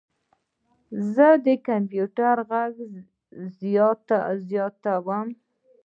زه د کمپیوټر غږ زیاتوم.